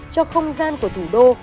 cho không gian của thủ đô